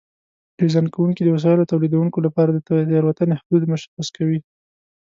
ډیزاین کوونکي د وسایلو تولیدوونکو لپاره د تېروتنې حدود مشخص کوي.